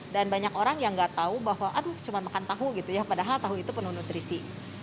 dan banyak orang yang gak tahu bahwa aduh cuma makan tahu gitu ya padahal tahu itu penuh nutrisi